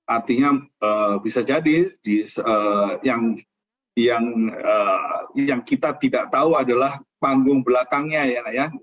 artinya bisa jadi yang kita tidak tahu adalah panggung belakangnya ya